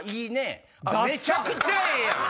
めちゃくちゃええやん！